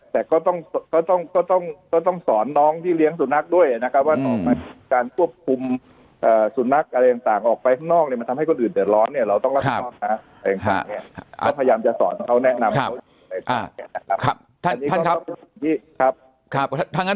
แต่ก็ต้องต้องต้องต้องต้องต้องสอนน้องที่เลี้ยงสุนัขด้วยนะครับว่า